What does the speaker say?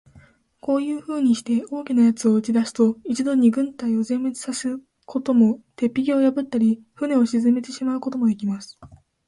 こういうふうにして、大きな奴を打ち出すと、一度に軍隊を全滅さすことも、鉄壁を破ったり、船を沈めてしまうこともできます。